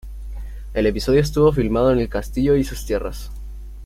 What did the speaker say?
El episodio estuvo filmado en el castillo y sus tierras.